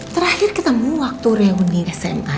terakhir ketemu waktu reuni sma